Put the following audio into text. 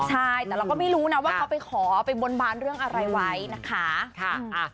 ใช่แต่เราก็ไม่รู้นะว่าเขาไปขอไปบนบานเรื่องอะไรไว้นะคะ